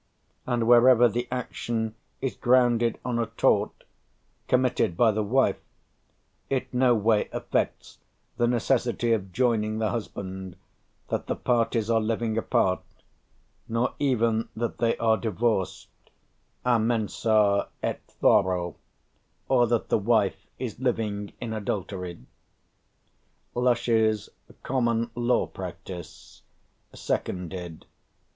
And wherever the action is grounded on a tort, committed by the wife, it no way affects the necessity of joining the husband, that the parties are living apart, nor even that they are divorced a mensâ et thoro, or that the wife is living in adultery" (Lush's "Common Law Practice," 2nded.